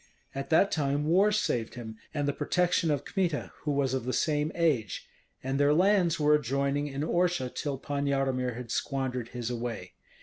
At that time war saved him, and the protection of Kmita, who was of the same age; and their lands were adjoining in Orsha till Pan Yaromir had squandered his away.